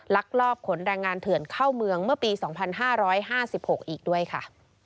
ลักลอบขนแรงงานเถื่อนเข้าเมืองเมื่อปี๒๕๕๖อีกด้วยค่ะ